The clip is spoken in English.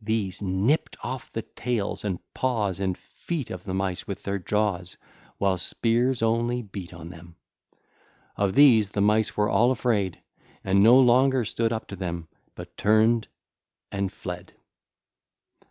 These nipped off the tails and paws and feet of the Mice with their jaws, while spears only beat on them. Of these the Mice were all afraid and no longer stood up to them, but turned and fled.